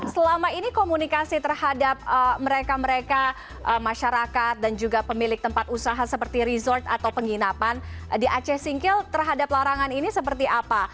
selama ini komunikasi terhadap mereka mereka masyarakat dan juga pemilik tempat usaha seperti resort atau penginapan di aceh singkil terhadap larangan ini seperti apa